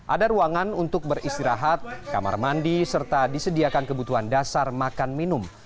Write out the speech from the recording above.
ada ruangan untuk beristirahat kamar mandi serta disediakan kebutuhan dasar makan minum